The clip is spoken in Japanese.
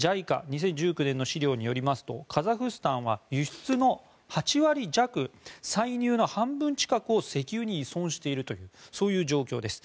ＪＩＣＡ２０１９年の資料によりますとカザフスタンは輸出の８割弱歳入の半分近くを石油に依存しているというそういう状況です。